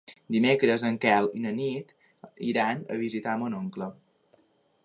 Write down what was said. Dimecres en Quel i na Nit iran a visitar mon oncle.